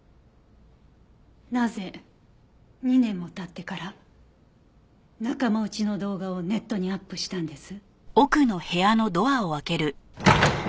なぜ２年も経ってから仲間内の動画をネットにアップしたんです？